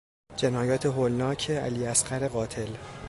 جنایات هولناک علی اصغر قاتل